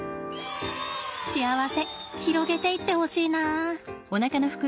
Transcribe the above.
幸せ広げていってほしいな。